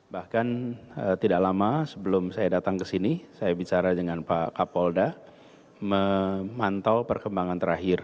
bahkan tidak lama sebelum saya datang ke sini saya bicara dengan pak kapolda memantau perkembangan terakhir